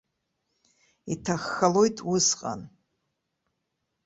Иҭаххалоит усҟан.